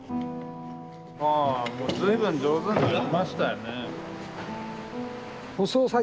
わあもう随分上手になりましたよね。